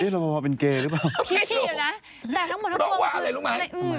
รอปภเป็นเกย์หรือเปล่า